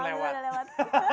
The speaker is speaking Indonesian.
alhamdulillah udah lewat